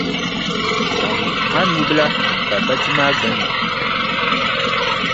Zaŋmi a nubila m-pa bachi maa gbunni.